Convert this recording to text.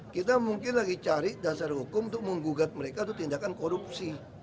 kita mungkin lagi cari dasar hukum untuk menggugat mereka itu tindakan korupsi